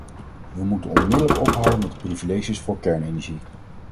We moeten eindelijk ophouden met de privileges voor kernenergie.